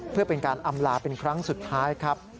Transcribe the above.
เพื่อเป็นการอำลาเป็นครั้งสุดท้ายครับ